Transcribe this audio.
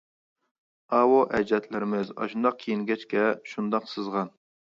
ئاۋۇ ئەجدادلىرىمىز ئاشۇنداق كىيىنگەچكە شۇنداق سىزغان.